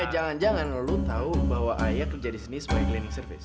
jangan jangan lu tahu bahwa ayah kerja di sini sebagai cleaning service